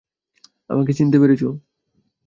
আমাকে চিনতে পেরেছো?